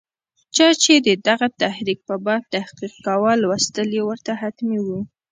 چا چې د دغه تحریک په باب تحقیق کاوه، لوستل یې ورته حتمي وو.